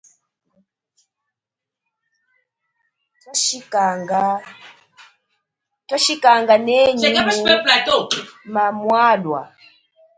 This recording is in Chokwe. Twali chikanga nenyi mu mamwalwa.